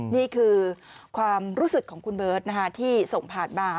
นี่คือความรู้สึกของคุณเบิร์ตที่ส่งผ่านมา